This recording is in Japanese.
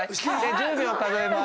１０秒数えます。